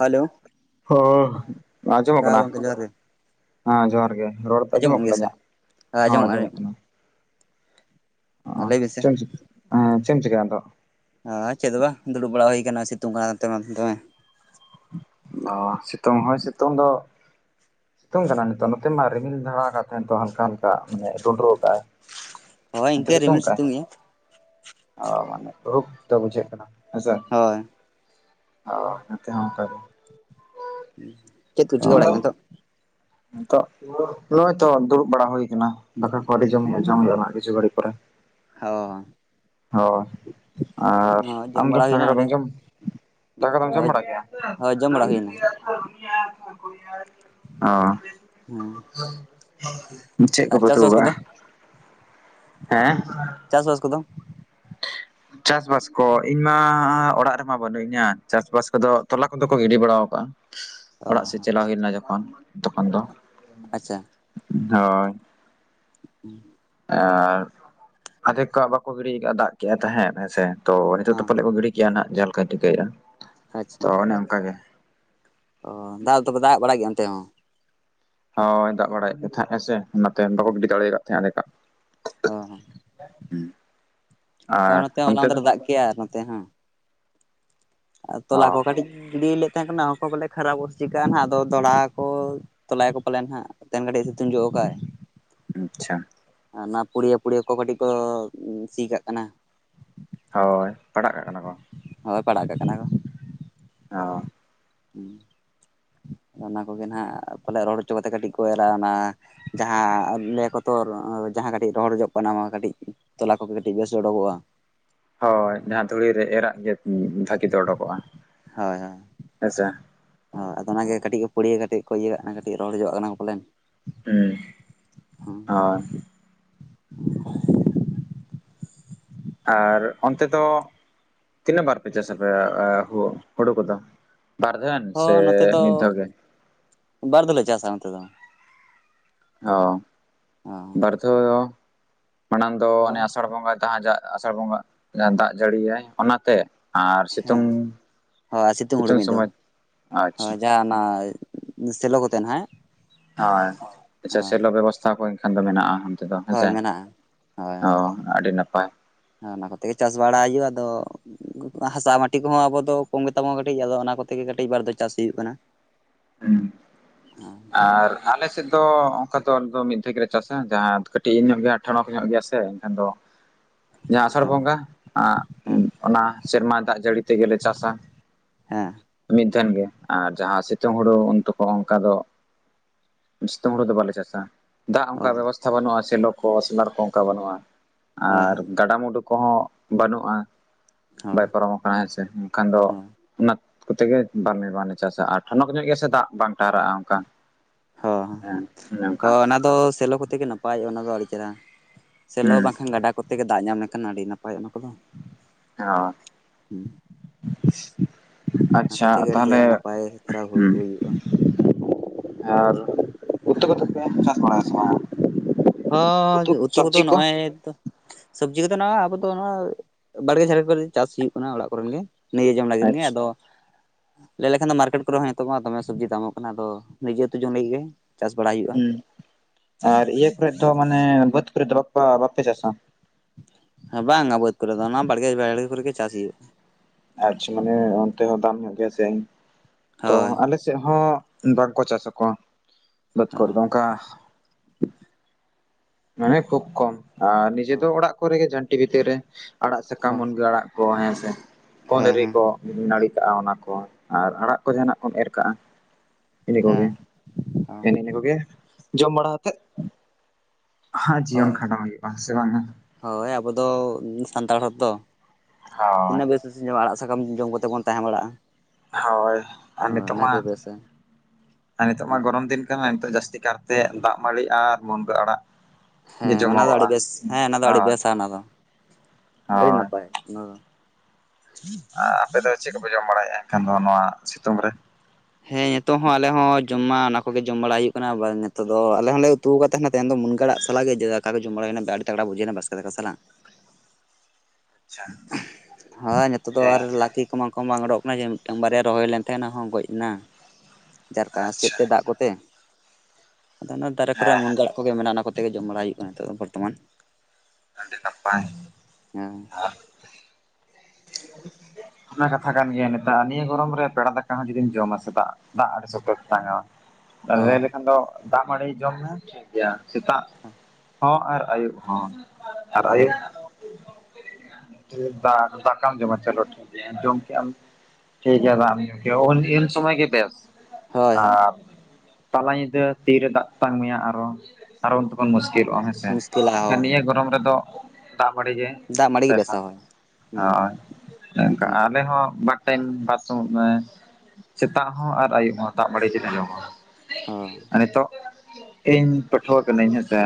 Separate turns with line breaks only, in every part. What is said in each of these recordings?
Hello
ᱦᱚᱸ ᱟᱸᱡᱚᱢᱚᱜ
ᱦᱮᱸ
ᱠᱟᱱᱟ᱾
ᱜᱚᱝᱠᱮ ᱡᱚᱦᱟᱨ ᱜᱮ
ᱦᱚᱸ ᱡᱚᱦᱟᱨ ᱜᱮ, ᱨᱚᱲ ᱟᱸᱡᱚᱢᱚᱜ
ᱜᱮᱭᱟ
ᱠᱟᱱᱟ
ᱥᱮ
ᱤᱧᱟᱹᱜ, ᱦᱚᱸ ᱟᱸᱡᱚᱢᱚᱜ ᱠᱟᱱᱟ᱾ ᱚ
ᱠᱟᱱᱟ, ᱞᱟᱹᱭ ᱵᱤᱱ ᱥᱮ
ᱪᱮᱢ ᱪᱤ ᱪᱮᱜ ᱮᱢ ᱪᱤᱠᱟᱹᱭᱟ ᱟᱫᱚ
ᱦᱚᱸ ᱪᱮᱫ ᱦᱚ ᱵᱟᱝ ᱫᱩᱲᱩᱵ ᱵᱟᱲᱟ ᱦᱩᱭ ᱟᱠᱟᱱᱟ ᱥᱤᱛᱩᱝ ᱠᱟᱱᱟ ᱱᱚᱛᱮ ᱢᱟ ᱫᱚᱢᱮ
ᱚ ᱥᱤᱛᱩᱝ ᱦᱚᱭ ᱥᱤᱛᱩᱝ ᱫᱚ ᱥᱤᱛᱩᱝ ᱠᱟᱱᱟ ᱱᱤᱛᱚᱜ ᱱᱚ.... ᱛᱮ ᱢᱟ ᱨᱤᱢᱤᱞ ᱫᱷᱟᱨᱟ ᱟᱠᱟᱫ ᱛᱟᱦᱮᱸᱱ ᱛᱚ ᱦᱟᱞᱠᱟ ᱦᱟᱞᱠᱟ ᱢᱟᱱᱮ ᱰᱩᱸᱰᱨᱟᱩᱜ ᱟᱠᱟᱜ-ᱟᱭ
ᱦᱳᱭ
ᱚᱱᱛᱮ
ᱤᱱᱠᱟᱹ
ᱥᱤᱛᱩᱝ
ᱨᱤᱢᱤᱞ
ᱠᱟᱜ-ᱟᱭ?
ᱮᱜᱼᱟ
ᱚ ᱢᱟᱱᱮ ᱫᱷᱩᱨᱩᱯ ᱴᱟᱜ ᱵᱩᱡᱷᱟᱹᱜ ᱠᱟᱱᱟ ᱦᱮᱸ ᱥᱮ
ᱦᱚᱭ
ᱚ, ᱱᱚᱛᱮ ᱦᱚᱸ ᱚᱱᱠᱟ ᱜᱮ
ᱦᱩᱸ
ᱚ [unintelligible] ᱱᱤᱛᱚᱜ [unintelligible] ᱱᱚᱜ-ᱚᱭ ᱛᱚ ᱫᱩᱲᱩᱵ ᱵᱟᱲᱟ ᱦᱩᱭ ᱟᱠᱟᱱᱟ ᱫᱟᱠᱟ ᱠᱚ ᱟ. ᱣᱨᱤ ᱡᱚᱢ ᱦᱩᱭᱩᱜ-ᱟ ᱡᱚᱢ ᱦᱩᱭᱩᱜ-ᱟ ᱱᱟᱦᱟᱜ ᱠᱤᱪᱷᱩ ᱜᱟᱹᱲᱤ ᱯᱚᱨᱮ
ᱦᱚ
ᱦᱚ ᱟᱨ
ᱚ
ᱟᱢ
ᱡᱚᱢ
ᱫᱚ
ᱵᱟᱲᱟ ᱦᱩᱭᱱᱟ
ᱫᱟᱠᱟ ᱠᱚ
ᱱᱚᱸᱰᱮ
ᱫᱚᱢ ᱡᱚᱢ ᱫᱟᱠᱟ ᱫᱚᱢ ᱡᱚᱢ
ᱦᱳᱭ
ᱵᱟᱲᱟ ᱠᱮᱜ-ᱟ
ᱦᱳᱭ ᱡᱚᱢ ᱵᱟᱲᱟ ᱦᱩᱭᱱᱟ ᱦᱮᱸ
[unintelligible] ᱚ [unintelligible] ᱪᱮᱫ ᱠᱚ
ᱟᱨ
ᱯᱮ ᱩᱛᱩ
ᱪᱟᱥᱵᱟᱥ
ᱟᱠᱟᱜᱼᱟ
ᱠᱚᱫᱚ
ᱦᱮᱸ
ᱪᱟᱥ-ᱵᱟᱥ ᱠᱚ ᱫᱚ [inaudible]
ᱪᱟᱥ-ᱵᱟᱥ ᱠᱚ, ᱤᱧ ᱢᱟ ᱚᱲᱟᱜ ᱨᱮ ᱢᱟ ᱵᱟᱹᱱᱩᱜ ᱤᱧᱟ ᱪᱟᱥ-ᱵᱟᱥ ᱠᱚ ᱫᱚ ᱛᱚᱞᱟ ᱠᱚ ᱫᱚ ᱠᱚ ᱜᱤᱰᱤ ᱵᱟᱲᱟᱣ ᱟᱠᱟᱜᱼᱟ
ᱚ
ᱚᱲᱟᱜ ᱥᱮᱡ ᱪᱟᱞᱟᱣ ᱦᱩᱭ ᱞᱮᱱᱟ ᱡᱚᱠᱷᱚᱱ ᱛᱚᱠᱷᱚᱱ ᱫᱚ
ᱟᱪᱪᱷᱟ
ᱦᱳᱭ
ᱦᱩᱸ
ᱟᱨ ᱟᱫᱷᱮᱠ ᱠᱚᱣᱟᱜ ᱵᱟᱠᱚ ᱜᱤᱲᱤ ᱫᱟᱜ ᱠᱮᱫ ᱛᱟᱦᱮᱸᱫ ᱦᱮᱸᱥᱮ ᱛᱚ ᱱᱤᱛᱚᱜ ᱫᱚ
ᱦᱮᱸ
ᱯᱟᱞᱮᱜ ᱠᱚ ᱜᱤᱰᱤ ᱠᱮᱭᱟ ᱱᱟᱦᱟᱜ ᱡᱟᱦᱟᱸ ᱞᱮᱠᱟ. ᱧ ᱴᱷᱤᱠᱟᱹᱭᱮᱜᱼᱟ
ᱟᱪᱪᱷᱟ
ᱛᱚ ᱚᱱᱮ ᱚᱱᱠᱟ ᱜᱮ
ᱚ ᱫᱟᱜ ᱠᱚ ᱫᱚ ᱫᱟᱜ ᱵᱟᱲᱟᱭ ᱜᱮᱭᱟ ᱚᱱᱛᱮ ᱦᱚᱸ
ᱦᱳᱭ ᱫᱟᱜ ᱵᱟᱲᱟᱭᱮᱫ ᱜᱮ ᱛᱟᱦᱮᱸᱜ ᱦᱮᱸ ᱥᱮ ᱚᱱᱟᱛᱮ ᱵᱟᱠᱚ ᱜᱤᱰᱤ ᱫᱟᱲᱮᱭᱟᱫ ᱛᱟᱦᱮᱸᱫ ᱟᱫᱷᱮᱠᱟᱜ
ᱚ ᱦᱚ
ᱦᱩᱸ, ᱟᱨ ᱚᱱᱛᱮ ᱫᱚ
ᱛᱮᱭᱟᱨ ᱱᱚᱛᱮ ᱦᱚᱸ ᱟᱨ
ᱚ
ᱛᱚᱞᱟ ᱠᱚ ᱠᱟᱹᱴᱤᱡ ᱜᱤᱰᱤ ᱞᱮᱫ ᱛᱟᱦᱮᱸ ᱠᱟᱱᱟ ᱠᱚ ᱯᱟᱞᱮ ᱠᱷᱟᱨᱟᱯᱚᱜᱼᱟ ᱥᱮ ᱪᱮᱠᱟᱜᱼᱟ ᱱᱟᱦᱟᱜ ᱟᱫᱚ ᱫᱚᱲᱦᱟ ᱠᱚ ᱛᱚᱞᱟᱭ ᱟᱠᱚ ᱯᱟᱞᱮ ᱱᱟᱦᱟᱜ ᱛᱮᱦᱮᱧ ᱠᱟ. ᱴᱤᱡ ᱮ ᱥᱚᱛᱩᱝ ᱧᱚᱜ ᱚᱠᱟᱜ-ᱟᱭ
ᱟᱪᱪᱷᱟ
ᱟᱨ ᱱᱚᱶᱟ ᱯᱩᱲᱤᱭᱟᱹ ᱯᱩᱲᱭᱟᱹ ᱠᱚ ᱠᱟᱹᱴᱤᱡ ᱠᱚ ᱥᱤ ᱠᱟᱜ ᱠᱟᱱᱟ
ᱦᱳᱭ ᱯᱟᱲᱟᱜ ᱠᱟᱜ ᱠᱟᱱᱟ ᱠᱚ
ᱦᱳᱭ ᱯᱟᱲᱟᱜ ᱠᱟᱱᱟ ᱠᱚ
ᱚᱻ
ᱦᱩᱸ ᱚᱱᱟ ᱠᱚᱜᱮ ᱱᱷᱟᱜ ᱯᱟᱞᱮ ᱨᱚᱦᱚᱲ ᱚᱪᱚ ᱠᱟᱛᱮ ᱠᱟᱹᱴᱤᱡ ᱠᱚ ᱮᱨᱟ ᱚᱱᱟ ᱡᱟᱦᱟᱸ ᱞᱟᱹᱭᱟ ᱟᱠᱚ ᱛᱚ ᱡᱟᱦᱟᱸ ᱠᱟᱹᱴᱤᱡ ᱨᱚᱦᱚᱲ ᱡᱚᱜ ᱠᱟᱱᱟ ᱚᱱᱟ ᱠᱟᱹᱴᱤᱡ ᱛᱚᱞᱟ ᱠᱚᱜᱮ ᱠᱟᱹᱴᱤᱡ ᱵᱮᱥ ᱚᱰᱚᱠᱚᱜᱼᱟ
ᱦᱳᱭ ᱡᱟᱦᱟᱸ ᱫᱷᱩᱲᱤ ᱨᱮ ᱮᱨᱟᱜ ᱜᱮ ᱵᱷᱟᱹᱜᱤ ᱫᱚ ᱩᱰᱩᱠᱚᱜᱼᱟ
ᱦᱳᱭ ᱦᱳᱭ
ᱦᱮᱸᱥᱮ
ᱦᱳᱭ ᱟᱫᱚ ᱚᱱᱟᱜᱮ ᱠᱟᱹᱴᱤᱡ ᱠᱚ ᱯᱩᱲᱤᱭᱟᱹ ᱠᱟᱛᱮ ᱠᱚ ᱤᱭᱟᱹ ᱠᱟᱜ ᱠᱟᱱᱟ ᱠᱟ. ᱴᱤᱡ ᱨᱚᱦᱚᱲ ᱧᱚᱜ ᱠᱟᱱᱟ ᱠᱚ ᱯᱟᱞᱮᱱ
ᱦᱩᱸ... ᱟ.....
[unintelligible]
ᱟᱨ ᱚᱱᱛᱮ ᱫᱚ ᱛᱤᱱᱟᱹᱜ ᱵᱟᱨ ᱯᱮ ᱪᱟᱥ ᱟᱯᱮ ᱦᱩᱲᱩ, ᱦᱩᱲᱩ ᱠᱚ ᱫᱚ ᱵᱟᱨ ᱫᱷᱮᱱ ᱥᱮ
ᱦᱚᱸ ᱱᱚᱛᱮ ᱫᱚ
ᱢᱤᱫ ᱫᱷᱟᱹᱣ ᱜᱮ
ᱵᱟᱨ ᱫᱷᱟ. ᱣ ᱞᱮ ᱪᱟᱥ-ᱟ ᱱᱚᱛᱮ ᱫᱚ
ᱚ ᱵᱟᱹᱨ ᱫᱷᱟᱹᱣ ᱢᱟᱲᱟᱝ ᱫᱚ ᱚᱱᱮ
ᱦᱳᱭ
ᱟᱥᱟᱲ ᱵᱚᱸᱜᱟ ᱫᱟᱜ ᱡᱟᱦᱟᱸ ᱟᱥᱟᱲ ᱵᱚᱸᱜᱟ ᱡᱟᱦᱟᱸ ᱫᱟᱜ ᱡᱟᱹᱲᱤᱭᱟᱭ ᱚᱱᱟᱛᱮ ᱟᱨ
ᱦᱮᱸ
ᱥᱤᱛᱩᱝ
ᱦᱚ ᱥᱤᱛᱩᱝ ᱦᱩᱲᱩ ᱢᱤᱫ ᱫᱚ
ᱟᱪᱪᱷᱟ
ᱦᱚᱭ ᱡᱟᱦᱟ ᱚᱱᱟ ᱥᱮᱞᱚ ᱠᱚ ᱛᱮ ᱱᱟᱦᱟᱸᱜ
ᱦᱳᱭ ᱟᱪᱪᱷᱟ ᱥᱮᱞᱚᱜ ᱵᱮᱵᱚᱥᱛᱷᱟ ᱠᱚ ᱮᱱᱠᱷᱟᱱ ᱫᱚ ᱢᱮᱱᱟᱜᱼᱟ ᱦᱟᱝ᱾ ᱛᱮᱫᱚ
ᱦᱳᱭ
ᱦᱮᱸᱥᱮ
ᱢᱮᱱᱟᱜᱼᱟ
ᱚ ᱟᱹᱰᱤ ᱱᱟᱯᱟᱭ᱾
ᱦᱮᱸ ᱚᱱᱟ ᱠᱚᱛᱮ ᱜᱮ ᱪᱟᱥ ᱵᱟᱲᱟ ᱦᱩᱭᱩᱜᱼᱟ, ᱟᱫᱚ ᱦᱟᱥᱟ ᱢᱟᱹᱴᱤ ᱠᱚᱦᱚᱸ ᱟᱵᱚ ᱫᱚ ᱠᱚᱢ ᱜᱮᱛᱟᱵᱚᱱᱟ ᱠᱟᱹᱴᱤᱡ ᱟᱫᱚ ᱚᱱᱟ ᱠᱚᱛᱮᱜᱮ ᱠᱟᱹᱴᱤᱡ ᱵᱟᱨ ᱫᱷᱟ. ᱣ ᱪᱟᱥ ᱦᱩᱭᱩᱜ ᱠᱟᱱᱟ᱾
ᱦᱩᱸ ᱟᱨ ᱟᱞᱮ ᱥᱮᱫ ᱫᱚ ᱚᱝᱠᱟ ᱫᱚ ᱟᱞᱮ ᱫᱚ ᱢᱤᱫ ᱫᱷᱟᱹᱣ ᱜᱮᱞᱮ ᱪᱟᱥᱟ ᱡᱟᱦᱟᱸ ᱫᱚ ᱠᱟᱹᱴᱤᱡ ᱧᱚᱜ ᱜᱮᱭᱟ ᱴᱷᱚᱬᱚᱠ ᱧᱚᱜ ᱜᱮᱭᱟ ᱥᱮ ᱮᱱᱠᱷᱟᱱ ᱫᱚ
[inaudible]
ᱡᱟᱦᱟᱸ ᱟᱥᱟᱲ ᱵᱚᱸᱜᱟ
ᱦᱮᱸ
ᱟᱸ ᱚᱱᱟ ᱥᱮᱨᱢᱟ ᱫᱟᱜ ᱡᱟᱹᱲᱤ ᱛᱮᱜᱮᱞᱮ ᱪᱟᱥᱟ᱾
ᱦᱮᱸ
ᱛᱟᱦᱮᱱ ᱜᱮ ᱟᱨ ᱡᱟᱦᱟᱸ ᱥᱮᱛ ᱛᱩᱝ ᱦᱩᱲᱩ ᱩᱱᱛᱚᱠᱚ ᱚᱝᱠᱟ ᱫᱚ ᱥᱤᱛᱩᱝ ᱦᱩᱰᱩ ᱫᱚ ᱵᱟᱞᱮ ᱪᱟᱥᱟ᱾ ᱫᱟᱜ
ᱚ
ᱚᱝᱠᱟ ᱵᱮᱵᱚᱥᱛᱷᱟ ᱵᱟᱹᱱᱩᱜᱼᱟ, ᱥᱮᱞᱚ ᱠᱚ, ᱥᱮᱞᱟᱨ ᱠᱚ ᱚᱝᱠᱟ ᱵᱟᱹᱱᱩᱜᱼᱟ
ᱦᱳᱭ
ᱟᱨ ᱜᱟᱰᱟᱼᱢᱩᱰᱩ ᱠᱚᱦᱚᱸ ᱵᱟᱹᱱᱩᱜᱼᱟ
ᱦᱳᱭ
ᱵᱟᱭ ᱯᱟᱨᱚᱢᱟ ᱟ ᱦᱮᱸ ᱥᱮ ᱮᱱᱠᱷᱟᱱ ᱫᱚ ᱚᱱᱟ ᱠᱚᱛᱮ ᱜᱮ ᱵᱟᱞᱮ ᱵᱟᱝᱞᱮ ᱪᱟᱥᱟ, ᱟᱨ ᱴᱷᱚᱱᱚᱠ ᱡᱟᱭᱜᱟ ᱥᱮ ᱫᱟᱜ ᱵᱟᱝ ᱴᱟᱦᱟᱨᱟᱜᱼᱟ ᱚᱝᱠᱟ᱾
ᱦᱚ ᱦᱚ ᱚᱱᱟ ᱫᱚ ᱥᱮᱞᱚ ᱠᱚᱛᱮ ᱜᱮ ᱱᱟᱯ ᱱᱯᱟᱭᱚᱜᱼᱟ ᱚᱱᱟ ᱫᱚ ᱟᱹᱰᱤ ᱪᱮᱨᱦᱟ ᱥᱮᱞᱚ
ᱦᱩᱸ
ᱵᱟᱝᱠᱷᱟᱱ ᱜᱟᱰᱟ ᱠᱚᱛᱮ ᱜᱮ ᱫᱟᱜ ᱧᱟᱢ ᱞᱮᱠᱷᱟᱱ ᱟᱹᱰᱤ ᱱᱟᱯᱟᱭᱚᱜᱼᱟ ᱚᱱᱟ ᱠᱚᱫᱚ᱾
ᱦᱚ
ᱚᱱᱟ
ᱟᱪᱪᱷᱟ
ᱠᱚᱛᱮ ᱜᱮ ᱟᱹᱰᱤ
ᱛᱟᱦᱞᱮ
ᱪᱮᱦᱨᱟ ᱱᱟᱯᱟᱭ ᱫᱷᱟᱨᱟ ᱦᱩᱲᱩ
ᱦᱩᱸ
ᱠᱚ ᱦᱩᱭᱩᱜᱼᱟ
ᱟᱨ ᱩᱛᱩ ᱠᱚᱛᱮ ᱯᱮ ᱪᱟᱥ ᱵᱟᱲᱟᱭᱟ ᱥᱮ ᱵᱟᱝ?
ᱦᱚᱸ ᱩᱛᱩ ᱠᱚᱫᱚ
ᱥᱚᱵᱽᱡᱤ ᱠᱚ
ᱱᱚᱜᱼᱚᱭ ᱛᱚ ᱥᱚᱵᱽᱡᱤ ᱠᱚᱫᱚ ᱱᱚᱣᱟ ᱟᱵᱚ ᱫᱚ ᱱᱚᱣᱟ ᱵᱟᱲᱜᱮ ᱡᱷᱟᱲᱜᱮ ᱠᱚᱨᱮ ᱪᱟᱥ ᱦᱩᱭᱩᱜ ᱠᱟᱱᱟ ᱚᱲᱟᱜ ᱠᱚᱨᱮᱱ ᱜᱮ᱾ ᱱᱤᱡᱮ ᱡᱚᱢ ᱞᱟᱹᱜᱤᱫ ᱜᱮ
ᱟᱪᱪᱷᱟ
ᱟᱫᱚ ᱞᱟᱹᱭ ᱞᱮᱠᱷᱟᱱ ᱫᱚ ᱢᱟᱨᱠᱮᱴ ᱠᱚᱨᱮ ᱦᱚᱸ ᱱᱤᱛᱚᱜ ᱢᱟ ᱫᱚᱢᱮ ᱥᱚᱵᱽᱡᱤ ᱫᱟᱢᱚᱜ ᱠᱟᱱᱟ, ᱟᱫᱚ ᱱᱤᱡᱮ ᱛᱮ ᱡᱚᱢ ᱞᱟᱹᱜᱤᱫ ᱜᱮ ᱪᱟᱥ ᱵᱟᱲᱟᱭ ᱦᱩᱭᱩᱜᱼᱟ᱾
ᱛᱚ ᱢᱟᱱᱮ ᱵᱟᱹᱫᱽ ᱠᱚᱨᱮ ᱵᱟᱯᱟ ᱵᱟᱯᱮ ᱪᱟᱥᱟ?
ᱦᱮᱸ ᱵᱟᱝᱟ ᱵᱟᱹᱫᱽ ᱠᱚᱨᱮ ᱫᱚ ᱚᱱᱟ ᱵᱟᱲᱜᱮ ᱵᱟᱲᱜᱮ ᱠᱚᱨᱮᱜ ᱜᱮ ᱪᱟᱥ ᱦᱩᱭᱩᱜᱼᱟ᱾
ᱟᱪᱪᱷᱟ ᱢᱟᱱᱮ ᱚᱱᱛᱮ ᱦᱚᱸ ᱫᱟᱢ ᱧᱚᱜ ᱜᱮᱭᱟ ᱥᱮ ᱛᱚ
ᱦᱳᱭ
ᱟᱞᱮ ᱥᱮ ᱥᱮᱜ ᱦᱚᱸ ᱵᱟᱝ ᱠᱚ ᱪᱟᱥ ᱠᱚᱣᱟ ᱵᱟᱹᱫᱽ ᱠᱚᱨᱮ ᱫᱚ ᱚᱝᱠᱟ ᱢᱟᱱᱮ ᱠᱷᱩᱵ ᱠᱚᱢ, ᱟᱨ ᱱᱤᱡᱮ ᱫᱚ ᱚᱲᱟᱜ ᱠᱚᱨᱮ ᱜᱮ ᱡᱷᱟᱹᱱᱴᱤ ᱵᱷᱤᱛᱤᱨ ᱨᱮ ᱟᱲᱟᱜ ᱥᱟᱠᱟᱢᱜ
ᱦᱳᱭ
ᱢᱩᱱᱜᱟᱹ ᱟᱲᱟᱜ ᱠᱚ ᱦᱮᱸ ᱥᱮ
ᱦᱮᱸ
ᱠᱚᱸᱫᱽᱨᱤ
ᱦᱮᱸ
ᱠᱚ ᱡᱩᱫᱤᱢ ᱱᱟᱹᱲᱤ ᱠᱟᱜᱼᱟ ᱚᱱᱟ ᱠᱚ᱾ ᱟᱨ ᱟᱲᱟᱜ ᱠᱚ ᱡᱟᱦᱟᱱᱟᱜ ᱠᱚᱢ ᱮᱨ ᱠᱟᱜᱼᱟ ᱤᱱᱟᱹ ᱠᱚᱜᱮ
ᱦᱮᱸ
ᱤᱱᱟᱹ ᱤᱱᱟᱹ ᱠᱚᱜᱮ᱾ ᱡᱚᱢ ᱵᱟᱲᱟ ᱦᱟᱛᱮᱫ ᱦᱟᱸ ᱡᱤᱭᱚᱱ
ᱦᱳᱭ
ᱠᱷᱟᱸᱰᱟᱣ ᱦᱩᱭᱩᱜᱼᱟ ᱦᱮᱸ ᱥᱮ ᱵᱟᱝᱟ᱾
ᱦᱳᱭ ᱟᱵᱚ ᱫᱚ ᱥᱟᱱᱛᱟᱲ ᱦᱚᱲ ᱛᱚ
ᱦᱳᱭ
ᱛᱤᱱᱟᱹ ᱵᱮᱥ [unintelligible] ᱟᱲᱟᱜ ᱥᱟᱠᱟᱢ ᱡᱚᱢ ᱠᱟᱛᱮ ᱵᱚᱱ ᱛᱟᱦᱮᱸ ᱵᱟᱲᱟᱜᱼᱟ᱾
ᱦᱚᱭ ᱟᱨ
ᱦᱳᱭ
ᱱᱤᱛᱟᱹᱜ ᱢᱟ
ᱚᱱᱟᱜᱮ ᱵᱮᱥᱟ
ᱟᱨ ᱱᱤᱛᱚᱜ ᱢᱟ ᱜᱚᱨᱚᱢ ᱫᱤᱱ ᱠᱟᱱᱟ, ᱱᱤᱛᱚᱜ ᱡᱟᱹᱥᱛᱤ ᱠᱟᱨᱛᱮ ᱫᱟᱜ ᱢᱟᱹᱲᱤ ᱟᱨ ᱢᱩᱱᱜᱟᱹ ᱟᱲᱟᱜ᱾ ᱜᱮ
ᱦᱮᱸ ᱚᱱᱟ ᱫᱚ ᱟᱹᱰᱤ
ᱡᱚᱢᱚᱜᱚᱜᱼᱟ
ᱵᱮᱥ ᱦᱮᱸ ᱚᱱᱟ ᱫᱚ ᱟᱹᱰᱤ
ᱦᱳᱭ
ᱵᱮᱥᱟ ᱚᱱᱟ ᱫᱚ ᱟᱹᱰᱤ
ᱦᱳᱭ
ᱱᱟᱯᱟᱭ ᱚᱱᱟ ᱫᱚ᱾
ᱟᱨ ᱟᱯᱮ ᱫᱚ ᱪᱮᱫ ᱠᱚᱯᱮ ᱡᱚᱢ ᱵᱟᱲᱟᱭᱮᱫᱼᱟ ᱮᱱᱠᱷᱟᱱ ᱫᱚ ᱱᱚᱣᱟ ᱥᱤᱛᱩᱝ ᱨᱮ
ᱦᱮᱸ ᱱᱤᱛᱚᱜ ᱦᱚᱸ ᱟᱞᱮ ᱦᱚᱸ ᱡᱚᱢ ᱢᱟ ᱚᱱᱟ ᱠᱚᱜᱮ ᱡᱚᱢ ᱵᱟᱲᱟ ᱦᱩᱭᱩᱜ ᱠᱟᱱᱟ, ᱱᱤᱛᱚᱜ ᱫᱚ ᱟᱞᱮ ᱦᱚᱸᱞᱮ ᱛᱩ ᱠᱟᱜ ᱛᱟᱦᱮᱱᱟ ᱛᱮᱦᱮᱱ ᱫᱚ ᱢᱩᱱᱜᱟᱹ ᱟᱲᱟᱜ ᱥᱟᱞᱟ ᱜᱮ ᱫᱟᱠᱟ ᱠᱚ ᱡᱚᱢ ᱵᱟᱲᱟ ᱦᱩᱭᱱᱟ ᱟᱹᱰᱤ ᱛᱟᱜᱲᱟ ᱵᱩᱡᱷᱟᱹᱭᱮᱱᱟ ᱵᱟᱥᱠᱮ ᱫᱟᱠᱟ ᱥᱟᱞᱟᱜ᱾
ᱟᱪᱪᱷᱟ
ᱦᱮᱸ ᱱᱤᱛᱚᱜ ᱫᱚ ᱟᱨ
ᱦᱮᱸ
ᱞᱟᱹᱠᱤ ᱠᱚᱢᱟ ᱠᱚ ᱵᱟᱝ ᱩᱰᱳᱠ ᱠᱟᱱᱟ ᱡᱮ ᱢᱤᱫᱴᱟᱝ ᱵᱟᱨᱭᱟ ᱨᱚᱦᱚᱭ ᱞᱮᱱ ᱛᱟᱦᱮᱸᱱᱟ ᱦᱚᱸ ᱜᱚᱡ ᱮᱱᱟ᱾ ᱡᱟᱨᱠᱟ ᱥᱮᱫ
ᱟᱪᱪᱷᱟ
ᱛᱮ ᱫᱟᱜ ᱠᱚᱛᱮ᱾ ᱟᱫᱚ ᱚᱱᱟ ᱫᱟᱨᱮ ᱠᱚᱨᱮ
ᱦᱮᱸ ᱦᱮᱸ
ᱢᱩᱱᱜᱟᱹ ᱟᱨᱟᱜ ᱠᱚᱜᱮ ᱢᱮᱱᱟᱜᱼᱟ, ᱚᱱᱟ ᱠᱚᱛᱮ ᱜᱮ ᱡᱚᱢ ᱵᱟᱲᱟᱭ ᱦᱩᱭᱩᱜ ᱠᱟᱱᱟ ᱱᱤᱛᱚᱜ ᱵᱚᱨᱛᱚᱢᱟᱱ᱾
ᱟᱹᱰᱤ ᱱᱟᱯᱟᱭ
ᱦᱮᱸ
ᱟᱨ
[inaudible]
ᱚᱱᱟ ᱠᱟᱛᱷᱟ ᱠᱟᱱ ᱜᱮᱭᱟ ᱱᱮᱛᱟᱨ ᱱᱤᱭᱟᱹ ᱜᱚᱨᱚᱢ ᱨᱮ ᱯᱮᱲᱟ ᱫᱟᱠᱟ ᱦᱚᱸ ᱡᱩᱫᱤᱢ ᱡᱚᱢᱟ ᱥᱮᱛᱟᱜ ᱫᱟᱜ ᱟᱹᱰᱤ ᱥᱚᱠᱛᱚ ᱛᱮᱛᱟᱝᱟ᱾ ᱞᱟᱹᱭ
ᱦᱳᱭ
ᱞᱮᱠᱷᱟᱱ ᱫᱚ ᱫᱟᱜ ᱢᱟᱹᱲᱤ ᱡᱚᱢ ᱢᱮ ᱴᱷᱤᱠ ᱜᱮᱭᱟ ᱥᱮᱛᱟᱜ ᱦᱚᱸ ᱟᱨ ᱟᱹᱭᱩᱵᱽ ᱦᱚᱸ ᱟᱨ
ᱦᱳᱭ
ᱟᱹᱭᱩᱵᱽ ᱫᱟᱜ ᱫᱟᱠᱟᱢ ᱡᱚᱢᱟ ᱪᱚᱞᱚ ᱴᱷᱤᱠ ᱜᱮᱭᱟ ᱡᱚᱢ ᱠᱮᱜ ᱟᱢ? ᱴᱷᱤᱠ ᱜᱮᱭᱟ ᱫᱟᱜ ᱮᱢ ᱧᱩ ᱠᱮᱭᱟ ᱚ ᱩᱱ ᱤᱱ ᱥᱚᱢᱚᱭ ᱜᱮ ᱵᱮᱥ
ᱦᱳᱭ ᱦᱳᱭ
ᱟᱨ ᱛᱟᱞᱟ ᱧᱤᱫᱟᱹ ᱛᱤᱨᱮ ᱫᱟᱜ ᱛᱮᱛᱟᱝ ᱢᱮᱭᱟ ᱟᱨᱚ ᱟᱨᱚ ᱩᱱ ᱵᱚᱱ ᱢᱩᱥᱠᱤᱞᱚᱜᱼᱟ ᱦᱮᱸ ᱥᱮ
ᱢᱩᱥᱠᱤᱞᱟ
ᱮᱱᱠᱷᱟᱱ
ᱦᱳᱭ
ᱱᱤᱭᱟᱹ ᱜᱚᱨᱚᱢ ᱨᱮᱫᱚ ᱫᱟᱜ ᱢᱟᱹᱲᱤ ᱜᱮ
ᱫᱟᱜ ᱢᱟᱹᱲᱤ ᱜᱮ ᱵᱮᱥᱟ ᱦᱚᱭ᱾
ᱦᱳᱭ ᱚᱱᱮ ᱚᱝᱠᱟ ᱟᱞᱮ ᱦᱚᱸ ᱵᱟᱨ ᱴᱮᱢ ᱵᱟᱨ ᱥᱩᱢᱩᱜ ᱮᱸ ᱥᱮᱛᱟᱜ ᱦᱚᱸ ᱟᱨ ᱟᱹᱭᱩᱵ ᱦᱚᱸ ᱫᱟᱜ ᱢᱟᱹᱲᱤ ᱜᱮᱞᱮ ᱡᱚᱢᱟ᱾
ᱦᱳᱭ
ᱟᱨ ᱱᱤᱛᱚᱜ ᱤᱧ ᱯᱟᱹᱴᱷᱩᱣᱟᱹ ᱠᱟᱹᱱᱟᱹᱧ ᱦᱮᱸ ᱥᱮ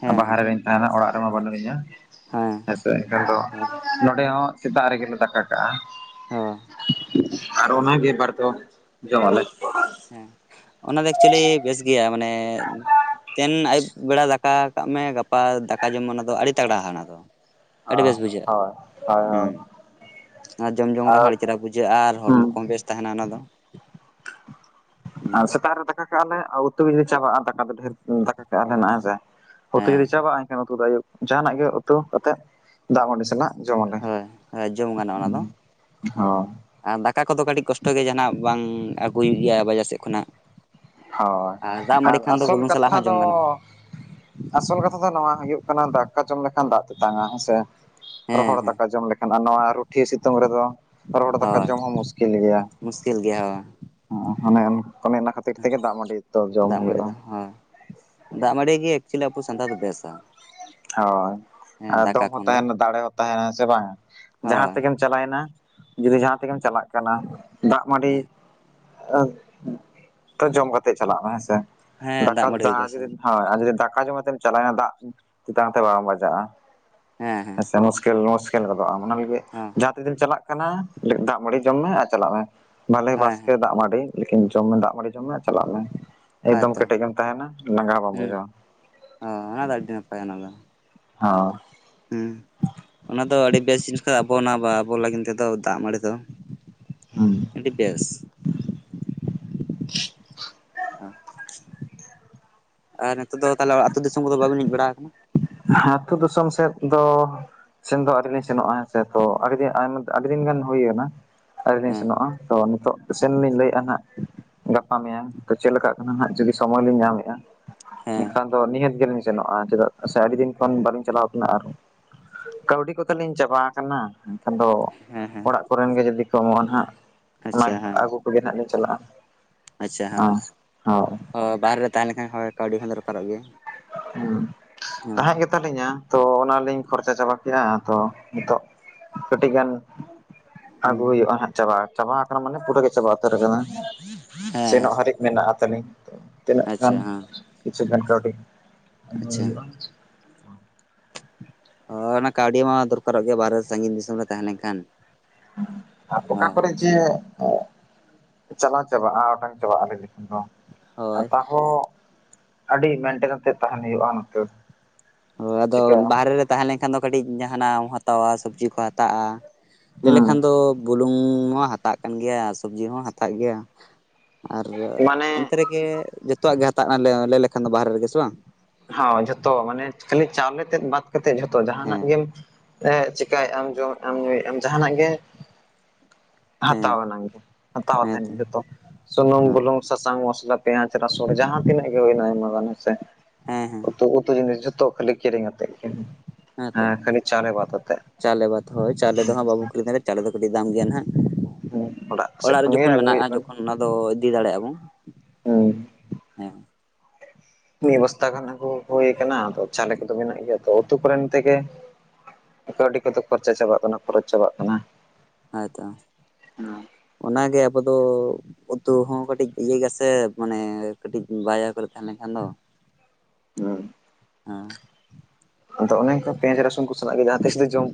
ᱦᱮᱸ ᱦᱮᱸ
ᱵᱟᱦᱟᱨᱮ ᱨᱤᱧ ᱛᱟᱦᱮᱱᱟ ᱚᱲᱟᱜ ᱨᱮᱢᱟ ᱵᱟᱹᱱᱩᱜ ᱤᱧᱟ᱾
ᱦᱮᱸ
ᱦᱮ ᱥᱮ ᱮᱱᱠᱷᱟᱱ ᱫᱚ
ᱦᱳᱭ
ᱱᱚᱸᱰᱮ ᱦᱚᱸ ᱥᱮᱛᱟᱜ ᱨᱮᱜᱮᱞᱮ ᱫᱟᱠᱟ ᱠᱟᱜᱼᱟ᱾
ᱦᱳᱭ
ᱟᱨ ᱚᱱᱟ ᱜᱮ ᱵᱟᱨ ᱫᱚᱢ ᱡᱚᱢᱟ ᱞᱮ᱾
ᱦᱮᱸ ᱚᱱᱟ ᱫᱚ ᱮᱠᱪᱚᱞᱤ ᱵᱮᱥ ᱜᱮᱭᱟ ᱢᱟᱱᱮ ᱛᱮᱦᱮᱱ ᱟᱹᱭᱩᱵ ᱵᱮᱲᱟ ᱫᱟᱠᱟ ᱠᱟᱜ ᱢᱮ ᱜᱟᱯᱟ ᱫᱟᱠᱟ ᱡᱚᱢ ᱢᱮ ᱚᱱᱟ ᱫᱚ ᱟᱹᱰᱤ ᱛᱟᱜᱲᱟ ᱦᱟᱲᱦᱟᱜ ᱫᱚᱜᱼᱟ᱾ ᱟᱹᱰᱤ
ᱦᱳᱭ
ᱵᱮᱥ ᱵᱩᱡᱷᱟᱹᱜᱼᱟ
ᱦᱳᱭ ᱦᱳᱭ
ᱦᱩᱸ ᱚᱱᱟ ᱡᱚᱢ ᱡᱚᱝ ᱨᱮᱦᱚᱸ
ᱟᱨ
ᱟᱹᱰᱤ ᱪᱮᱦᱨᱟ ᱵᱩᱡᱷᱟᱹᱜᱼᱟ ᱟᱨ ᱦᱚᱲᱢᱚ
ᱦᱩᱸ
ᱠᱚᱦᱚᱸ ᱵᱮᱥ ᱛᱟᱦᱮᱱᱟ ᱚᱱᱟ ᱫᱚ᱾ ᱦᱩᱸ
ᱟᱨ ᱥᱮᱛᱟᱜ ᱨᱮ ᱫᱟᱠᱟ ᱠᱟᱜᱼᱟ ᱞᱮ ᱟᱨ ᱩᱛᱩ ᱡᱩᱫᱤ ᱪᱟᱵᱟᱜᱼᱟ ᱫᱟᱠᱟ ᱫᱚ ᱰᱷᱮᱨ ᱫᱟᱠᱟ ᱠᱟᱜᱼᱟ ᱠᱟᱜ ᱦᱮᱱᱟᱜᱼᱟ ᱥᱮ ᱩᱛᱩ
ᱦᱮᱸ
ᱡᱩᱫᱤ ᱪᱟᱵᱟᱜᱼᱟ ᱮᱱᱠᱷᱟᱱ ᱩᱛᱩ ᱫᱚ ᱟᱭᱩᱵ ᱡᱟᱦᱟᱸ ᱱᱟᱜ ᱜᱮ ᱩᱛᱩ ᱠᱟᱛᱮᱫ ᱫᱟᱜ ᱢᱟᱹᱰᱤ ᱥᱟᱞᱟᱜ ᱡᱚᱢᱟᱞᱮ
ᱦᱳᱭ ᱦᱳᱭ ᱡᱚᱢ ᱜᱟᱱᱚᱜᱼᱟ ᱚᱱᱟ ᱫᱚ
ᱦᱚ᱾
ᱟᱨ ᱫᱟᱠᱟ ᱠᱚᱫᱚ ᱠᱟᱹᱴᱤᱡ ᱠᱚᱥᱴᱚ ᱜᱮ ᱡᱟᱦᱟᱸᱱᱟᱜ ᱵᱟᱝ ᱟᱹᱜᱩᱭ ᱦᱩᱭᱩᱜ ᱜᱮᱭᱟ ᱵᱟᱡᱟᱨ ᱥᱮᱫ ᱠᱷᱚᱱᱟᱜ
ᱦᱳᱭ
ᱫᱟᱜ ᱢᱟᱹᱲᱤ
ᱟᱨ
ᱠᱷᱟᱱ ᱫᱚ
ᱟᱥᱚᱞ
ᱵᱩᱞᱩᱝ ᱥᱟᱞᱟᱜ
ᱠᱟᱛᱷᱟ
ᱦᱚᱸ
ᱫᱚ
ᱡᱚᱢ ᱜᱟᱱᱚᱜᱼᱟ
ᱟᱥᱚᱞ ᱠᱟᱛᱷᱟ ᱫᱚ ᱱᱚᱣᱟ ᱦᱩᱭᱩᱜ ᱠᱟᱱᱟ ᱫᱟᱠᱟ ᱡᱚᱢ ᱞᱮᱠᱷᱟᱱ ᱫᱟᱜ ᱛᱮᱛᱟᱝᱟ ᱦᱮᱸ ᱥᱮ ᱾
ᱦᱮᱸ
ᱨᱚᱦᱚᱲ
ᱦᱮᱸ
ᱫᱟᱠᱟ ᱡᱚᱢ ᱞᱮᱠᱷᱟᱱ ᱟᱨ ᱱᱚᱣᱟ ᱨᱩᱴᱷᱤᱭᱟᱹ ᱥᱤᱛᱩᱝ ᱨᱮᱫᱚ ᱨᱚᱦᱚᱲ ᱫᱟᱠᱟ
ᱦᱳᱭ
ᱡᱚᱢ ᱦᱚᱸ ᱢᱩᱥᱠᱤᱞ ᱜᱮᱭᱟ
ᱢᱩᱥᱠᱤᱞ ᱜᱮᱭᱟ ᱦᱳᱭ
ᱚᱱᱮ ᱚᱱᱮ ᱚᱱᱟ ᱠᱷᱟᱹᱛᱤᱨ ᱛᱮᱜᱮ ᱫᱟᱜ ᱢᱟᱹᱰᱤ ᱛᱚ ᱡᱚᱢ
ᱫᱟᱜ ᱢᱟᱹᱲᱤ
ᱦᱩᱭᱩᱜᱼᱟ᱾
ᱫᱚ ᱦᱳᱭ ᱫᱟᱜ ᱢᱟᱹᱲᱤ ᱜᱮ ᱮᱠᱪᱩᱭᱞᱤ ᱟᱵᱚ ᱥᱟᱱᱛᱟ ᱫᱚ ᱵᱮᱥᱼᱟ ᱾
ᱦᱳᱭ ᱟᱨ ᱫᱚᱢ ᱦᱚᱸ
ᱠᱷᱚᱱ ᱫᱚ
ᱛᱟᱦᱮᱱᱟ ᱫᱟᱲᱮ ᱦᱚᱸ ᱛᱟᱦᱮᱱᱟ ᱥᱮ ᱵᱟᱝ ᱡᱟᱦᱟᱸ
ᱦᱳᱭ
ᱛᱮᱜᱮᱢ ᱪᱟᱵᱟᱭᱱᱟ ᱡᱩᱫᱤ ᱡᱟᱦᱟᱸ ᱛᱮᱜᱮᱢ ᱪᱟᱞᱟᱜ ᱠᱟᱱᱟ ᱫᱟᱜ ᱢᱟᱹᱰᱤ ᱛᱚ ᱡᱚᱢ ᱠᱟᱛᱮᱜ ᱪᱟᱞᱟᱜ ᱢᱮ ᱦᱮᱸ ᱥᱮ
ᱦᱮᱸ
ᱫᱟᱠᱟ
ᱢᱟᱹᱰᱤ ᱜᱮ
ᱫᱟᱜ
ᱵᱮᱥᱟ
ᱡᱩᱫᱤ ᱦᱳᱭ ᱟᱨ ᱡᱩᱫᱤ ᱫᱟᱠᱟ ᱡᱚᱢ ᱠᱟᱛᱮᱢ ᱪᱟᱞᱟᱣ ᱮᱱᱟ ᱫᱟᱜ ᱛᱮᱛᱟᱝ ᱛᱮ ᱵᱟᱢ ᱵᱟᱡᱟᱜᱼᱟ ᱦᱮᱸ ᱥᱮ ᱢᱩᱥ ᱠᱮᱞ ᱢᱩᱥᱠᱮᱞ ᱜᱚᱫᱚᱜᱼᱟ ᱚᱱᱟ ᱞᱟᱹᱜᱤᱫ
ᱦᱮᱸ
ᱡᱟᱦᱟᱸ ᱛᱤᱜᱤᱢ ᱪᱟᱞᱟᱜ ᱠᱟᱱᱟ ᱫᱟᱜ ᱢᱟᱹᱰᱤ ᱡᱚᱢ ᱢᱮ ᱟᱨ ᱪᱟᱞᱟᱜ ᱢᱮ ᱵᱷᱟᱞᱮ
ᱦᱮᱸ ᱦᱮᱸ
ᱵᱟᱥᱠᱮ ᱫᱟᱜ ᱢᱟᱹᱰᱤ ᱞᱮᱠᱤᱱ ᱡᱚᱢ ᱢᱮ ᱫᱟᱜ ᱢᱟᱹᱲᱤ ᱡᱚᱢ ᱢᱮ ᱟᱨ ᱪᱟᱞᱟᱜ ᱢᱮ ᱮᱠᱫᱚᱢ
ᱦᱳᱭᱛᱚ
ᱠᱮᱴᱮᱡ ᱜᱮᱢ ᱛᱟᱦᱮᱱᱟ ᱞᱟᱸᱜᱟ ᱦᱚᱸ ᱵᱟᱢ ᱵᱩᱡᱷᱟᱹᱣᱟ᱾
ᱚᱸ ᱚᱱᱟ ᱫᱚ ᱟᱹᱰᱤ ᱱᱟᱯᱟᱭᱟ ᱚᱱᱟ ᱫᱚ᱾
ᱦᱚᱻ
ᱦᱩᱸ ᱚᱱᱟ ᱫᱚ ᱟᱹᱰᱤ ᱵᱮᱥ ᱡᱤᱱᱥ ᱠᱟᱱ ᱟᱵᱚ ᱚᱱᱟ ᱟᱵᱚ ᱞᱟᱹᱜᱤᱫ ᱛᱮᱫᱚ ᱫᱟᱜ ᱢᱟᱹᱲᱤ ᱫᱚ
ᱦᱩᱸ
ᱟᱹᱰᱤ ᱵᱮᱥ᱾ ᱟᱨ ᱱᱤᱛᱚᱜ ᱫᱚ ᱛᱟᱦᱚᱞᱮ ᱟᱹᱛᱩ ᱫᱤᱥᱚᱢ ᱠᱚᱫᱚ ᱵᱟᱵᱤᱱ ᱦᱮᱡ ᱵᱟᱲᱟ ᱟᱠᱟᱱᱟ
ᱦᱟᱸ ᱟᱹᱛᱩ ᱫᱤᱥᱚᱢ ᱥᱮᱫ ᱫᱚ ᱥᱮᱱ ᱫᱚ ᱟᱹᱨᱤ ᱞᱤᱧ ᱥᱮᱱᱚᱜᱼᱟ ᱦᱮᱸ‌ᱥᱮ ᱛᱚ ᱟᱹᱰᱤ ᱫᱤᱱ ᱟᱭᱢᱟ ᱟᱹᱰᱤ ᱫᱤᱱ ᱜᱟᱱ ᱦᱩᱭᱱᱟ᱾ ᱟᱹᱨᱤ ᱞᱤᱧ
ᱦᱮᱸ
ᱥᱮᱱᱚᱜᱼᱟ ᱛᱚ ᱱᱤᱛᱚᱜ ᱥᱮᱱᱞᱤᱧ ᱞᱟᱹᱭᱮᱫᱼᱟ ᱦᱟᱸᱜ ᱜᱟᱯᱟ ᱢᱮᱭᱟᱝ ᱛᱚ ᱪᱮᱫ ᱞᱮᱠᱟᱜ ᱠᱟᱱᱟ ᱦᱟᱸᱜ ᱡᱩᱫᱤ ᱥᱚᱢᱚᱭ ᱞᱤᱧ ᱧᱟᱢᱮᱫᱼᱟ᱾
ᱦᱮᱸ
ᱮᱱᱠᱷᱟᱱ ᱫᱚ ᱱᱤᱦᱟᱹᱛ ᱜᱮᱞᱤᱧ ᱥᱮᱱᱚᱜᱼᱟ ᱪᱮᱫᱟᱜ ᱥᱮ ᱟᱹᱰᱤ ᱫᱤᱱ ᱠᱷᱚᱱ ᱵᱟᱞᱤᱧ ᱪᱟᱞᱟᱣ ᱠᱟᱱᱟ ᱟᱨ ᱠᱟᱹᱣᱰᱤ ᱠᱚᱛᱟ ᱞᱤᱧ ᱪᱟᱵᱟ ᱟᱠᱟᱱᱟ᱾ ᱟᱫᱚ ᱫᱚ
ᱦᱮᱸ ᱦᱮᱸ
ᱚᱲᱟᱜ ᱠᱚᱨᱮᱱ ᱜᱮ ᱡᱩᱫᱤ ᱠᱚ ᱮᱢᱚᱜᱼᱟ ᱱᱟᱦᱟᱸᱜ ᱚᱱᱟ
ᱟᱪᱪᱷᱟ
ᱜᱤ
ᱦᱮᱸ
ᱟᱹᱜᱩ ᱠᱚᱜᱮ ᱱᱟᱸᱜ ᱞᱮ ᱪᱟᱞᱟᱜᱼᱟ
ᱟᱪᱪᱷᱟ
ᱦᱮᱸ ᱦᱳᱭ
ᱦᱚ ᱵᱟᱦᱨᱮ ᱨᱮ ᱛᱟᱦᱮᱸ ᱞᱮᱱᱠᱷᱟᱱ ᱦᱚᱸ ᱠᱟᱹᱣᱰᱤ ᱦᱚᱸ ᱫᱚᱨᱠᱟᱨᱚᱜ ᱜᱮᱭᱟ
ᱦᱮᱸ
ᱦᱚᱸ
ᱛᱟᱦᱮᱸᱡ ᱜᱮᱛᱟ ᱞᱤᱧᱟ ᱛᱚ ᱚᱱᱟᱞᱤᱧ ᱠᱷᱚᱨᱪᱟ ᱪᱟᱵᱟ ᱠᱮᱫᱼᱟ ᱛᱚ ᱱᱤᱛᱚᱜ ᱠᱟᱹᱴᱤᱡ ᱜᱟᱱ ᱟᱹᱜᱩ
ᱦᱩᱸ
ᱦᱩᱭᱩᱜᱼᱟ ᱦᱟᱜ ᱪᱟᱵᱟ ᱪᱟᱵᱟ ᱟᱠᱟᱱᱟ ᱢᱟᱱᱮ ᱯᱩᱨᱟᱹ ᱜᱮ ᱪᱟᱵᱟ ᱩᱛᱟᱹᱨ ᱟᱠᱟᱱᱟ
ᱦᱮᱸ ᱦᱮᱸ
ᱥᱮᱱᱚᱜ ᱦᱟᱹᱨᱤᱡ ᱢᱮᱱᱟᱜᱼᱟ ᱛᱟᱞᱤᱧ ᱛᱚ ᱛᱤᱱᱟᱹᱜ ᱜᱟᱱ ᱠᱤᱪᱷᱩ ᱜᱟᱱ ᱠᱟᱹᱣᱰᱤ ᱟᱹᱜᱩ
ᱟᱪᱟ
ᱦᱩᱭᱩᱜᱼᱟ
ᱦᱚ ᱚᱱᱟ ᱠᱟᱹᱣᱰᱤ ᱢᱟ ᱫᱚᱨᱠᱟᱨᱚᱜ ᱜᱮᱭᱟ ᱵᱟᱦᱨᱮ ᱥᱟᱺᱜᱤᱧ ᱫᱤᱥᱚᱢ ᱨᱮ ᱛᱟᱦᱮᱸ ᱞᱮᱱᱠᱷᱟᱱ
ᱟᱨ ᱚᱠᱟ
ᱦᱳᱭ
ᱠᱚᱨᱮᱫ ᱡᱮ ᱪᱟᱞᱟᱣ ᱪᱟᱵᱟᱜᱼᱟ ᱚᱴᱟᱝ ᱪᱟᱵᱟᱜᱼᱟ ᱞᱟᱹᱭ ᱞᱮᱠᱷᱟᱱ ᱫᱚ
ᱦᱳᱭ
ᱛᱟᱣ ᱦᱚᱸ ᱟᱹᱰᱤ ᱢᱮᱱᱴᱮᱱ ᱠᱟᱛᱮᱫ ᱛᱟᱦᱮᱱ ᱦᱩᱭᱩᱜᱼᱟ ᱱᱚᱛᱮ
ᱦᱳᱭ ᱟᱫᱚ
ᱪᱤᱠᱟᱹᱭᱟᱢ
ᱵᱟᱦᱨᱮ ᱨᱮ ᱛᱟᱦᱮᱸ ᱞᱮᱱᱠᱷᱟᱱ ᱫᱚ ᱠᱟᱹᱴᱤᱡ ᱡᱟᱦᱟᱱᱟᱜ ᱮᱢ ᱦᱟᱛᱟᱣᱟ ᱥᱚᱵᱽᱡᱤ ᱠᱚ ᱦᱟᱛᱟᱜᱼᱟ ᱞᱟᱹᱭ ᱞᱮᱠᱷᱟᱱ
ᱦᱩᱸ
ᱫᱚ ᱵᱩᱞᱩᱝ ᱢᱟ ᱦᱟᱛᱟᱜ ᱠᱟᱱ ᱜᱮᱭᱟ ᱥᱚᱵᱽᱡᱤ ᱦᱚᱸ ᱦᱟᱛᱟᱜ ᱜᱮᱭᱟ ᱟᱨ ᱚᱱᱛᱮ
ᱢᱟᱱᱮ
ᱨᱮᱜᱮ ᱡᱚᱛᱚᱣᱟᱜ ᱜᱮ ᱦᱟᱛᱟᱣᱼᱟ ᱞᱟᱹᱭ ᱞᱮᱠᱷᱟᱱ ᱫᱚ ᱵᱟᱦᱨᱮ ᱨᱮᱜᱮ ᱥᱮ ᱵᱟᱝ
ᱦᱚ ᱡᱷᱚᱛᱚ ᱢᱟᱱᱮ ᱠᱷᱟᱹᱞᱤ ᱪᱟᱣᱞᱮ ᱛᱮᱫ ᱵᱟᱫ ᱠᱟᱛᱮᱫ ᱡᱷᱚᱛᱚ ᱡᱟᱦᱟᱱᱟᱜ
ᱦᱮᱸ
ᱜᱮᱢ ᱮ ᱪᱮᱠᱟᱭᱮᱫ ᱟᱢ ᱡᱚᱢ ᱮᱜ-ᱟᱢ ᱧᱩᱭᱮᱫ ᱟᱢ ᱡᱟᱦᱟᱱᱟᱜ ᱜᱮ
ᱦᱮᱸ
ᱦᱟᱛᱟᱣ ᱟᱱᱟᱝ ᱜᱮ ᱦᱟᱛᱟᱣ ᱟᱛᱮᱱ
ᱦᱮᱸᱛᱚ
ᱜᱮ ᱡᱚᱛᱚ ᱥᱩᱱᱩᱢ ᱵᱩᱞᱩᱝ ᱥᱟᱥᱟᱝ ᱢᱚᱥᱞᱟ ᱯᱮᱸᱭᱟᱡ ᱨᱟᱥᱩᱱ ᱡᱟᱦᱟᱸ ᱛᱤᱱᱟᱹᱜ ᱜᱮ ᱦᱩᱭᱱᱟ ᱟᱭᱢᱟ ᱜᱟᱱ ᱦᱮᱸ ᱥᱮ
ᱦᱮᱸ ᱦᱮᱸ
ᱩᱛᱩ ᱠᱚᱛᱚ ᱡᱤᱱᱤᱥ ᱡᱚᱛᱚ ᱠᱷᱟᱹᱞᱤ ᱠᱤᱨᱤᱧ ᱟᱛᱮᱫ ᱜᱮ ᱦᱮᱸ
ᱦᱮᱸᱛᱚ
ᱠᱷᱟᱹᱞᱤ ᱪᱟᱣᱞᱮ ᱵᱟᱫ ᱟᱛᱮᱫ
ᱪᱟᱣᱞᱮ ᱵᱟᱫ ᱦᱳᱭ ᱪᱟᱣᱞᱮ ᱫᱚ ᱦᱟᱸᱜ ᱵᱟᱵᱚ ᱠᱤᱨᱤᱧ [unintelligible] ᱪᱟᱣᱞᱮ ᱫᱚ ᱠᱟᱹᱴᱤᱡ ᱫᱟᱢ ᱜᱮᱭᱟ ᱱᱟᱦᱟᱜ
ᱦᱮᱸ ᱥᱮᱫ
ᱚᱲᱟᱜ ᱨᱮ
ᱠᱷᱚᱱ ᱜᱮ
ᱡᱚᱠᱷᱚᱱ
ᱟᱹᱜᱩ ᱦᱩᱭᱩᱜ
ᱢᱮᱱᱟᱜᱼᱟ
ᱠᱟᱱᱟ
ᱡᱚᱠᱷᱚᱱ ᱚᱱᱟ ᱫᱚ ᱤᱫᱤ ᱫᱟᱲᱮᱭᱟᱜᱼᱟ ᱵᱚᱱ
ᱦᱩᱸ
ᱦᱮᱸ
ᱢᱤᱫ ᱵᱚᱥᱛᱟ ᱜᱟᱱ ᱟᱹᱜᱩ ᱦᱳᱭ ᱠᱟᱱᱟ ᱟᱫᱚ ᱪᱟᱣᱞᱮ ᱠᱚᱫᱚ ᱢᱮᱱᱟᱜ ᱜᱮᱭᱟ ᱛᱚ ᱩᱛᱩ ᱠᱚᱨᱮᱱ ᱛᱮᱜᱮ ᱠᱟᱹᱣᱰᱤ ᱠᱚᱫᱚ ᱠᱷᱚᱨᱪᱟ ᱪᱟᱵᱟᱜ ᱠᱟᱱᱟ ᱠᱷᱚᱨᱚᱪ ᱪᱟᱵᱟᱜ ᱠᱟᱱᱟ
ᱦᱚᱭᱛᱚ ᱚᱱᱟᱜᱮ ᱟᱵᱚ ᱫᱚ ᱩᱛᱩ ᱦᱚᱸ ᱠᱟᱹᱴᱤᱡ ᱤᱭᱟᱹ ᱜᱮᱥᱮ ᱢᱟᱱᱮ ᱠᱟᱹᱴᱤᱡ ᱵᱟᱡᱟᱨ ᱠᱚᱨᱮ ᱛᱟᱦᱮᱸ ᱞᱮᱱᱠᱷᱟᱱ ᱫᱚ
ᱦᱩᱸ
ᱦᱮᱸ
ᱟᱫᱚ ᱚᱱᱮ ᱚᱱᱠᱟ ᱯᱮᱸᱭᱟᱡ ᱨᱟᱹᱥᱩᱱ ᱠᱚ ᱥᱟᱞᱟᱜ ᱜᱮ ᱡᱟᱦᱟᱸ ᱛᱤᱥ ᱫᱚ ᱡᱚᱢ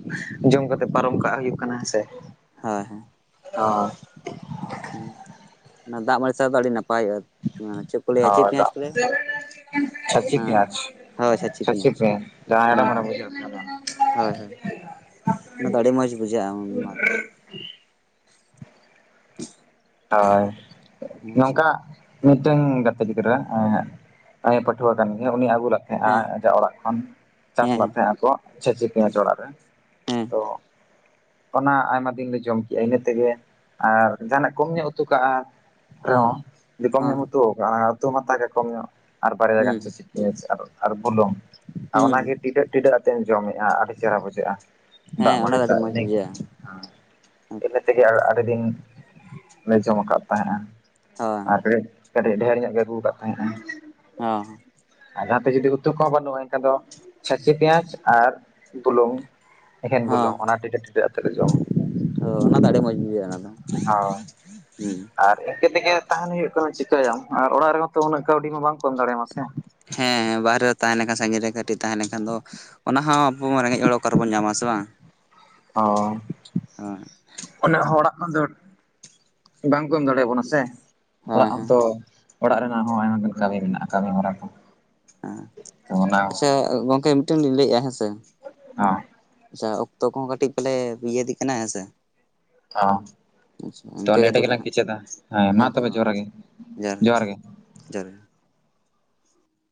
ᱡᱚᱢ ᱠᱟᱛᱮ ᱯᱟᱨᱚᱢ ᱠᱟᱜ ᱦᱩᱭᱩᱜ ᱠᱟᱱᱟ ᱦᱮᱸᱥᱮ
ᱦᱳᱭ ᱦᱮᱸ
ᱚ
ᱚᱱᱟ ᱫᱟᱜ ᱢᱟᱹᱲᱤᱥᱟᱣ ᱫᱚ ᱟᱹᱰᱤ ᱱᱟᱯᱟᱭᱚᱜᱼᱟ ᱪᱮᱫ ᱠᱚ ᱞᱟᱹᱭᱟ ᱪᱮᱫ ᱯᱮᱸᱭᱟᱡᱽ ᱠᱚ ᱞᱟᱹᱭᱟ
ᱪᱷᱟᱪᱷᱤ
ᱚᱱᱟ
ᱯᱮᱭᱟᱡ
ᱦᱳᱭ ᱪᱷᱟᱪᱤ
ᱪᱷᱟᱹᱪᱤ
ᱯᱮᱸᱭᱟᱡᱽ
ᱯᱮᱭᱟᱡ [unintelligible]
ᱦᱚᱭ ᱦᱚᱭ ᱚᱱᱟ ᱫᱚ ᱟᱹᱰᱤ ᱢᱚᱡᱽ ᱵᱩᱡᱷᱟᱹᱜᱼᱟ ᱚᱱᱟ ᱫᱚ
ᱦᱚᱭ
ᱟᱪᱪᱷᱟ
ᱱᱚᱝᱠᱟ ᱢᱤᱫᱴᱮᱱ ᱜᱟᱛᱮ ᱜᱤᱫᱽᱨᱟᱹ ᱟᱭᱤᱡ ᱯᱟᱹᱴᱷᱩᱣᱟᱹ ᱠᱟᱱ ᱜᱮᱭᱟ ᱩᱱᱤ ᱟᱹᱜᱩ ᱞᱟᱜ ᱛᱟᱦᱮᱫ ᱟ
ᱦᱮᱸ
ᱟᱡᱟᱜ ᱚᱲᱟᱜ ᱠᱷᱚᱱ ᱪᱟᱥ
ᱦᱮᱸ
ᱞᱟᱫ
ᱦᱮᱸ
ᱛᱟᱦᱮᱸᱫ ᱟᱠᱚ ᱪᱷᱟᱹᱪ ᱯᱮᱸᱭᱟᱡᱽ ᱚᱲᱟᱜ ᱨᱮ
ᱦᱮᱸ
ᱛᱚ ᱚᱱᱟ ᱟᱭᱢᱟ ᱫᱤᱱ ᱞᱮ ᱡᱚᱢ ᱠᱮᱜᱼᱟ ᱤᱱᱟᱹ ᱛᱮᱜᱮ ᱟᱨ ᱡᱟᱦᱟᱱᱟᱜ ᱠᱚᱢ ᱧᱚᱜ ᱩᱛᱩ ᱠᱟᱜᱼᱟ
ᱦᱚᱸ
ᱨᱮᱦᱚᱸ ᱡᱩᱫ ᱠᱚᱢ
ᱦᱚᱸ
ᱧᱚᱜ ᱩᱛᱩ ᱠᱟᱜᱼᱟ ᱚᱱᱟ ᱩᱛᱩ ᱢᱟᱛᱟ ᱜᱮ ᱠᱚᱢ ᱧᱚᱜ ᱟᱨ ᱵᱟᱨᱭᱟ ᱜᱟᱱ
ᱦᱩᱸ
ᱪᱷᱟᱪᱤ ᱯᱮᱭᱟᱪ ᱟᱨ ᱟᱨ ᱵᱩᱞᱩᱝ ᱟ
ᱦᱩᱸ
ᱚᱱᱟᱜᱮ ᱴᱤᱰᱟᱹᱜ ᱴᱤᱰᱟᱹᱜ ᱟᱛᱮᱢ ᱡᱚᱢᱮᱜᱼᱟ ᱟᱹᱰᱤ ᱪᱮᱦᱨᱟ ᱵᱩᱡᱷᱟᱹᱜᱼᱟ
ᱦᱮᱸ ᱚᱱᱟ
ᱫᱟᱜᱢᱟᱹᱲᱤ
ᱫᱚ ᱟᱹᱰᱤ
ᱫᱟᱜ
ᱢᱚᱸᱡᱽ
ᱤᱱᱟᱹ
ᱵᱩᱡᱷᱟᱹᱜᱼᱟ ᱦᱳᱭ
ᱤᱱᱟᱹ ᱛᱮᱜᱮ ᱟᱨ ᱟᱹᱰᱤ ᱫᱤᱱ ᱞᱮ ᱡᱚᱢ ᱠᱟᱫ ᱛᱟᱦᱮᱸᱜᱟ
ᱦᱚᱸ
ᱟᱨ ᱠᱟᱹᱴ ᱠᱟᱹᱴᱤᱡ ᱰᱷᱮᱮᱨ ᱧᱚᱜ ᱜᱮ ᱟᱹᱜᱩ ᱠᱟᱫ ᱛᱟᱦᱮᱸᱜ ᱟ
ᱚ
ᱟᱨ ᱡᱟᱦᱟᱸᱛᱮ ᱡᱩᱫᱤ ᱩᱛᱩ ᱠᱚᱦᱚᱸ ᱵᱟᱹᱱᱩᱜᱼᱟ ᱮᱱᱠᱷᱟᱱ ᱫᱚ ᱪᱷᱟᱹᱪᱤ ᱯᱮᱸᱭᱟᱡ ᱟᱨ ᱵᱩᱞᱩᱝ ᱮᱠᱷᱮᱱ ᱵᱩᱞᱩᱝ
ᱦᱚᱸ
ᱚᱱᱟ ᱴᱤᱰᱟᱹᱜ ᱴᱤᱰᱟᱹᱜ ᱟᱛᱮ ᱞᱮ ᱡᱚᱢᱟ
ᱚᱱᱟ ᱫᱚ ᱟᱹᱰᱤ ᱢᱚᱸᱡᱽ ᱵᱩᱡᱷᱟᱹᱜᱼᱟ ᱚᱱᱟ ᱫᱚ
ᱦᱳᱭ
ᱦᱩᱸ
ᱟᱨ ᱤᱱᱠᱟᱹ ᱛᱮᱜᱮ ᱛᱟᱦᱮᱱ ᱦᱩᱭᱩᱜ ᱠᱟᱱᱟ ᱪᱤᱠᱟᱹᱭᱟᱢ ᱟᱨ ᱚᱲᱟᱜ ᱨᱮᱢᱟ ᱛᱚ ᱩᱱᱟᱹᱜ ᱠᱟᱹᱣᱰᱤ ᱢᱟ ᱵᱟᱝ ᱠᱚ ᱮᱢ ᱫᱟᱲᱮ ᱟᱢᱟ ᱥᱮ
ᱦᱮᱸ ᱵᱟᱦᱨᱮ ᱛᱟᱦᱮᱸᱱᱠᱷᱟᱱ ᱥᱟᱺᱜᱤᱧ ᱨᱮ ᱠᱟᱹᱴᱤᱡ ᱛᱟᱦᱮᱸ ᱞᱮᱱᱠᱷᱟᱱ ᱫᱚ ᱚᱱᱟ ᱦᱚᱸ ᱟᱵᱚ ᱢᱟ ᱨᱮᱸᱜᱮᱡ ᱦᱚᱲ ᱚᱠᱟᱨᱮᱵᱚᱱ ᱧᱟᱢᱟ ᱥᱮ ᱵᱟᱝ
ᱚ
ᱦᱟᱸ ᱾
ᱩᱱᱟᱹᱜ ᱦᱚᱲᱟᱜ ᱠᱷᱚᱱ ᱫᱚ, ᱵᱟᱝᱠᱚ ᱮᱢ ᱫᱟᱲᱮ ᱭᱟᱵᱚᱱᱟ ᱥᱮ?
ᱦᱮᱸ
ᱦᱚᱲᱟᱜ
ᱦᱮᱸ
ᱦᱚᱸᱛᱚ, ᱚᱲᱟᱜ ᱨᱮᱱᱟᱜ ᱦᱚᱸ ᱟᱭᱢᱟ ᱜᱟᱱ ᱠᱟᱹᱢᱤ ᱢᱮᱱᱟᱜᱼᱟ, ᱠᱟᱹᱢᱤ ᱦᱚᱨᱟ ᱠᱚ ᱾
ᱦᱮᱸ, ᱟᱪᱪᱷᱟ ᱜᱚᱢᱠᱮ ᱢᱤᱫᱴᱟᱝ ᱞᱤᱧ ᱞᱟᱹᱭ ᱮᱜᱼᱟ, ᱦᱮᱸ ᱥᱮ ᱾
ᱦᱚᱸ
ᱟᱪᱪᱷᱟ, ᱚᱠᱛᱚ ᱠᱚᱦᱚᱸ ᱠᱟᱹᱴᱤᱡ ᱯᱟᱞᱮ ᱤᱭᱟᱹᱮᱫᱤᱜ ᱠᱟᱱᱟ, ᱦᱮᱸ ᱥᱮᱮ ᱾
ᱦᱚᱸ
ᱟᱪᱪᱷᱟ,
ᱛᱚ
ᱤᱱᱠᱟᱹ ᱜᱮ
ᱱᱮᱰᱮ
ᱛᱚᱵᱮ
ᱜᱮᱞᱟᱝ
ᱦᱟᱸᱱᱟᱜ,
ᱠᱮᱪᱮᱫᱟ
ᱦᱮᱸ, ᱛᱚᱵᱮ ᱢᱟ
ᱡᱚᱦᱟᱨ ᱜᱮ
᱾ ᱡᱚᱦᱟᱨ ᱜᱮ ᱾ ᱡᱚᱦᱟᱨ ᱜᱮ ᱾